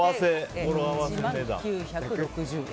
１万９６０円。